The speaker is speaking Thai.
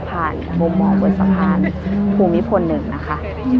ผ่านมุมหมอบนสะพานภูมิพลหนึ่งนะคะ